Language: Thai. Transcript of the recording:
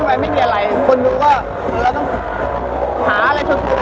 ดีสิ่งที่แต่ส่วนเขาไม่ทำ